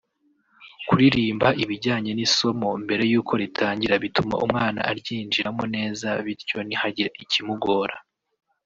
Kuririmba ibijyanye n’isomo mbere y’uko ritangira bituma umwana aryinjiramo neza bityo ntihagire ikimugora